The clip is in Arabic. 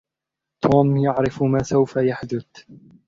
توم يعرف ما سوف يحدث.